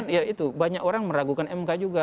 ya itu banyak orang meragukan mk juga